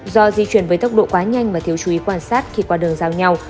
do di chuyển với tốc độ quá nhanh mà thiếu chú ý quan sát khi qua đường giao nhau